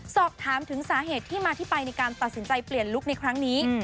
สอบถามถึงสาเหตุที่มาที่ไปในการตัดสินใจเปลี่ยนลุคในครั้งนี้